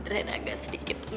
adriana agak sedikit tenang